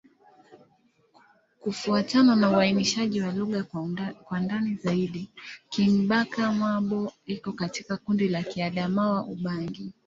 Kufuatana na uainishaji wa lugha kwa ndani zaidi, Kingbaka-Ma'bo iko katika kundi la Kiadamawa-Ubangi.